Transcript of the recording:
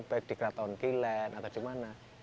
baik di keraton kilen atau di mana